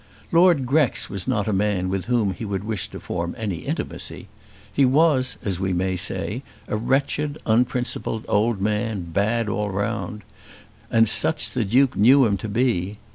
Lord Grex was not a man with whom he would wish to form any intimacy. He was, we may say, a wretched unprincipled old man, bad all round; and such the Duke knew him to be.